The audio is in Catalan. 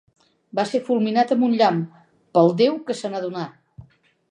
Va ser fulminat amb un llamp, pel déu, que se n'adonà.